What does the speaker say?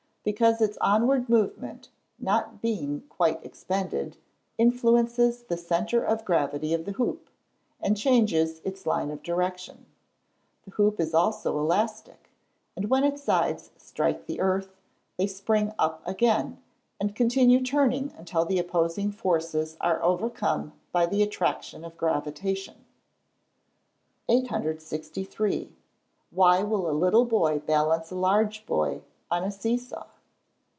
_ Because its onward movement, not being quite expended, influences the centre of gravity of the hoop, and changes its line of direction. The hoop is also elastic, and when its sides strike the earth, they spring up again, and continue turning until the opposing forces are overcome by the attraction of gravitation. 863. _Why will a little boy balance a large boy on a see saw?